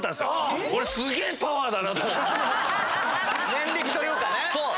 念力というかね。